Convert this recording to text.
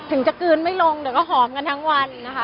ถึงจะกื้นไม่ลงเดี๋ยวก็หอมกันทั้งวัน